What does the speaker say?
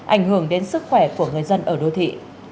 ảnh hưởng đến sức khỏe của người dân ở đô thị